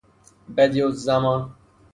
بَدیعالزمان